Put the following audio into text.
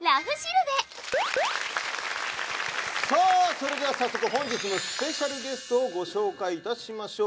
さあそれでは早速本日のスペシャルゲストをご紹介いたしましょう。